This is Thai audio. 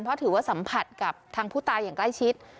เพราะถือว่าสัมผัสกับทางผู้ตายอย่างใกล้ชิด